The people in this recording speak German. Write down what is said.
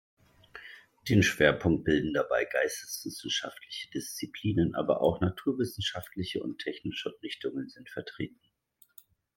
Den Schwerpunkt bilden dabei geisteswissenschaftliche Disziplinen, aber auch naturwissenschaftliche und technische Richtungen sind vertreten.